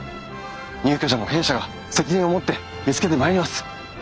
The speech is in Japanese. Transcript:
入居者も弊社が責任を持って見つけてまいります。